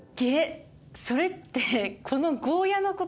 それってこのゴーヤのことですか？